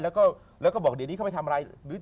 แล้วก็บอกเดี๋ยวนี้เขาไปทำอะไร